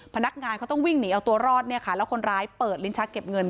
พนักงานเขาต้องวิ่งหนีเอาตัวรอดเนี่ยค่ะแล้วคนร้ายเปิดลิ้นชักเก็บเงิน